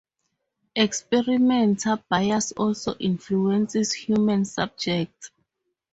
Experimenter-bias also influences human subjects.